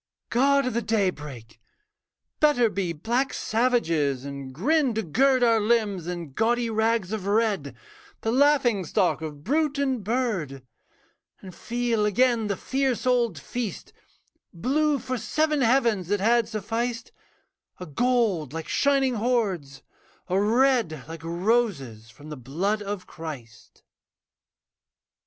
God of the daybreak! Better be Black savages; and grin to gird Our limbs in gaudy rags of red, The laughing stock of brute and bird; And feel again the fierce old feast, Blue for seven heavens that had sufficed, A gold like shining hoards, a red Like roses from the blood of Christ.